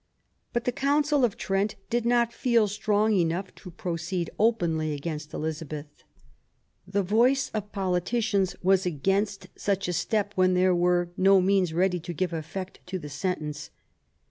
But the Council of Trent did not feel strong enough to proceed openly against Elizabeth. The voice of politicians was against such a step when there were no means ready to give effect to the sentence.